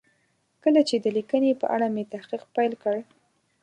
کله چې د لیکنې په اړه مې تحقیق پیل کړ.